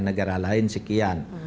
negara lain sekian